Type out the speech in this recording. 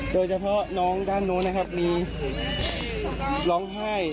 โดยเฉพาะน้องด้านนู้นนะครับมีร้องไห้